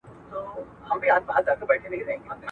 روغ بدن سالم عقل لري.